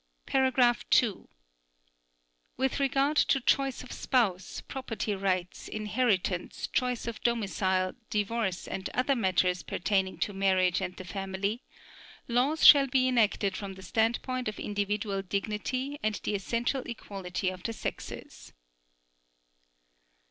(2) With regard to choice of spouse, property rights, inheritance, choice of domicile, divorce and other matters pertaining to marriage and the family, laws shall be enacted from the standpoint of individual dignity and the essential equality of the sexes.